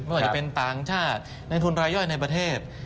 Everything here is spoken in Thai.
ไม่ว่าจะเป็นต่างชาติในทุนรายย่อยในประเทศ